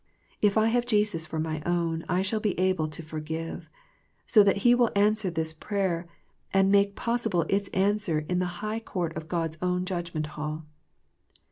If I have Jesus for my own I shall be able to for give, so that He will answer this very prayer and make possible its answer in the high court of God's own judgment hall.